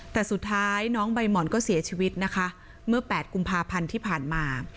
แต่สุดท้ายน้องใบหม่อนก็เสียชีวิตนะคะเมื่อ๘กุมภาพันธ์ที่ผ่านมา